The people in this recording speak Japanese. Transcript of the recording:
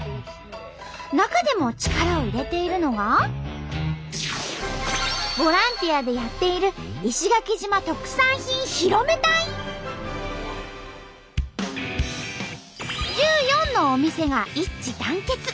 中でも力を入れているのがボランティアでやっている１４のお店が一致団結。